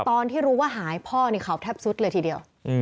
ตอนที่รู้ว่าหายพ่อนี่เขาแทบสุดเลยทีเดียว